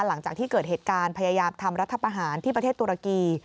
หลังจากที่เกิดเหตุการณ์พยายามทำรัฐประหารที่ประเทศตุรกี